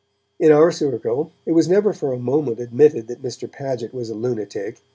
In our circle, it was never for a moment admitted that Mr. Paget was a lunatic.